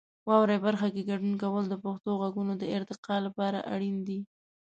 واورئ برخه کې ګډون کول د پښتو غږونو د ارتقا لپاره اړین دی.